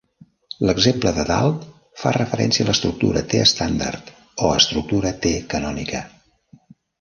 L'exemple de dalt fa referència a "l'estructura T estàndard" o "estructura T canònica".